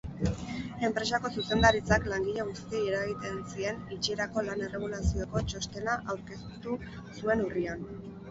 Enpresako zuzendaritzak langile guztiei eragiten zien itxierako lan-erregulazioko txostena aurkeztu zuen urrian.